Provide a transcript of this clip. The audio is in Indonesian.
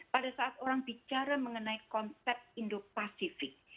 pada saat orang bicara mengenai konsep indo pasifik